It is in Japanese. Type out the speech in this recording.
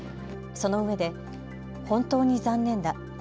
そのうえで本当に残念だ。